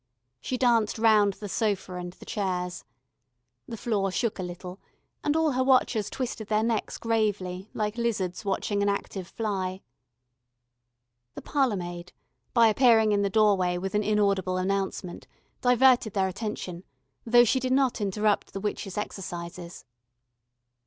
She danced round the sofa and the chairs. The floor shook a little, and all her watchers twisted their necks gravely, like lizards watching an active fly. The parlour maid, by appearing in the doorway with an inaudible announcement, diverted their attention, though she did not interrupt the witch's exercises.